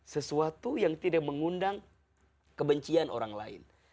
sesuatu yang tidak mengundang kebencian orang lain